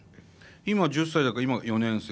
今１０歳だから今４年生？